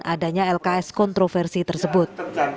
adanya lks kontroversi tersebut